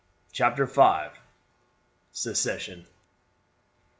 CHAPTER V. SECESSION.